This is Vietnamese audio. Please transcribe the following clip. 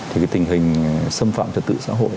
thì cái tình hình xâm phạm trật tự xã hội